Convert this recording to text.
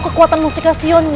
kekuatan mustikasyon wi